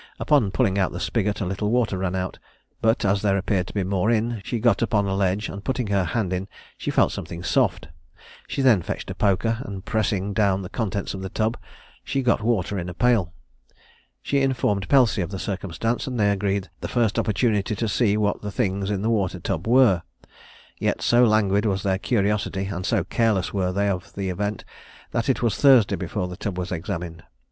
Upon pulling out the spigot a little water ran out; but, as there appeared to be more in, she got upon a ledge, and putting her hand in, she felt something soft. She then fetched a poker, and pressing down the contents of the tub, she got water in a pail. She informed Pelsey of the circumstance, and they agreed the first opportunity to see what the things in the water tub were; yet so languid was their curiosity, and so careless were they of the event, that it was Thursday before the tub was examined.